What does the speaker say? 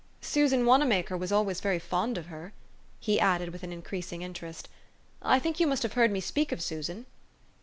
" Susan Wanamaker was always very fond of her," he added with an increas ing interest. "I think you must have heard me speak of Susan?"